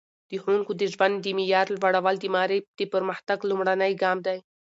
د ښوونکو د ژوند د معیار لوړول د معارف د پرمختګ لومړنی ګام دی.